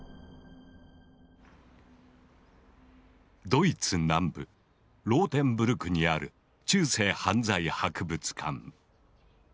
ドイツ南部ローテンブルクにある中世犯罪博物館。